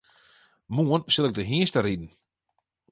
Moarn sil ik te hynsteriden.